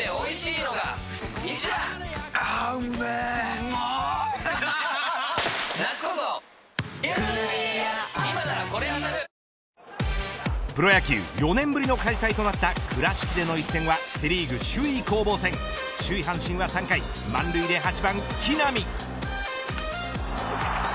うまクリアアサヒイェーイプロ野球４年ぶりの開催となった、倉敷での一戦はセ・リーグ首位攻防戦首位、阪神は３回満塁で８番、木浪。